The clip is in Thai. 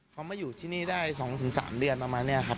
เขามาอยู่ที่นี่ได้๒๓เดือนประมาณนี้ครับ